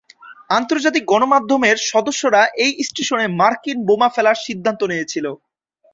আন্তর্জাতিক গণমাধ্যমের সদস্যরা এই স্টেশনে মার্কিন বোমা ফেলার সিদ্ধান্ত নিয়েছিল।